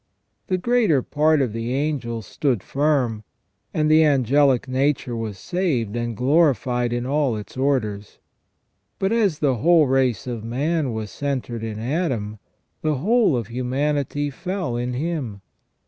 The greater part of the angels stood firm, and the angelic nature was saved and glorified in all its orders ; but as the whole race of man was centred in Adam, the whole of humanity fell in him.